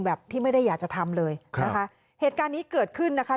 ที่ไม่ได้อยากจะทำเลยนะคะเหตุการณ์นี้เกิดขึ้นนะคะ